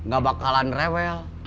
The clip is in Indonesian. gak bakalan rewel